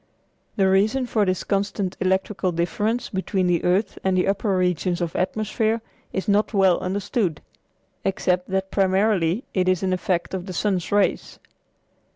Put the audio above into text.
The reason for this constant electrical difference between the earth and the upper regions of atmosphere is not well understood, except that primarily it is an effect of the sun's rays.